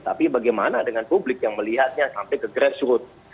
tapi bagaimana dengan publik yang melihatnya sampai ke grassroot